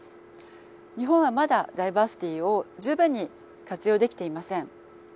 日本はまだダイバーシティを十分に活用できていません。